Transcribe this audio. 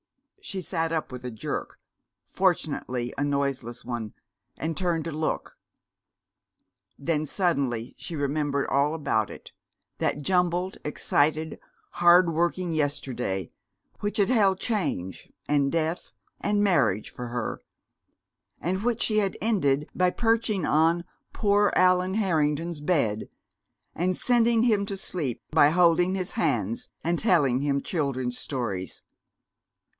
She sat up with a jerk fortunately a noiseless one and turned to look. Then suddenly she remembered all about it, that jumbled, excited, hard working yesterday which had held change and death and marriage for her, and which she had ended by perching on "poor Allan Harrington's" bed and sending him to sleep by holding his hands and telling him children's stories.